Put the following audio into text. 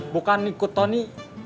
bukan ikut tony